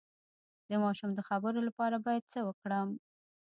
د ماشوم د خبرو لپاره باید څه وکړم؟